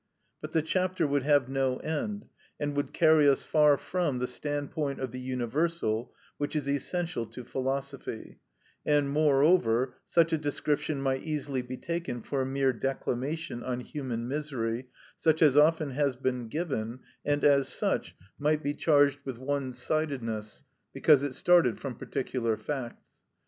But the chapter would have no end, and would carry us far from the standpoint of the universal, which is essential to philosophy; and, moreover, such a description might easily be taken for a mere declamation on human misery, such as has often been given, and, as such, might be charged with one sidedness, because it started from particular facts.